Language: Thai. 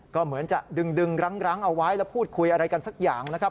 ก็เหมือนจะดึงรั้งเอาไว้แล้วพูดคุยอะไรกันสักอย่างนะครับ